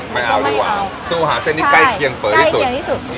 ไม่เอาดีกว่าคือหาเส้นนี้ใกล้เคียงเผ๋ที่สุดใกล้เคียงที่สุด